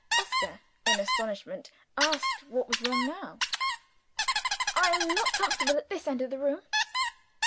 Oscar, in astonishment, asked what was wrong now? "I am not comfortable at this end of the room."